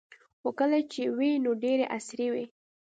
خو کله چې وې نو ډیرې عصري وې